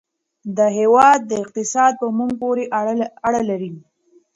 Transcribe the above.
د هېواد اقتصاد په موږ پورې اړه لري.